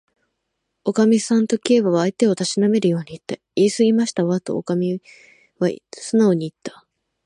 「おかみさん」と、Ｋ は相手をたしなめるようにいった。「いいすぎましたわ」と、おかみはすなおにいった。